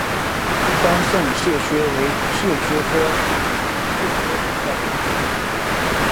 川滇槲蕨为槲蕨科槲蕨属下的一个种。